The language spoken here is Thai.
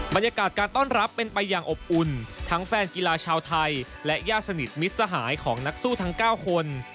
บรรยากาศการต้อนรับเป็นไปอย่างอบอุ่นทั้งแฟนกีฬาชาวไทยและญาติสนิทมิตรสหายของนักสู้ทั้ง๙คน